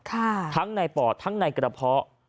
ทั้งในปอดทั้งในกระเพาะ